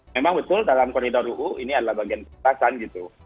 memang betul dalam koridor uu ini adalah bagian kebebasan gitu